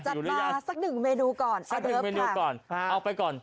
อ๋อจัดมาสักหนึ่งเมนูก่อนสักหนึ่งเมนูก่อนเอาไปก่อน